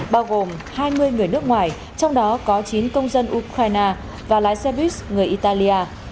bao gồm hai mươi người nước ngoài trong đó có chín công dân ukraine và lái xe buýt người italia